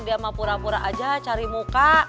dia mau pura pura aja cari muka